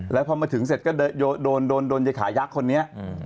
แล้วพอมาถึงเสร็จก็โดนโดนยายขายักษ์คนนี้